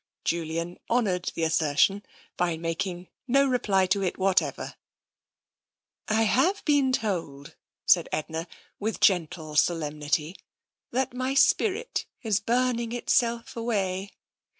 Julian honoured the assertion by making no reply to it whatever. \" I have been told," said Edna, with gentle solem nity, " that my spirit is burning itself away.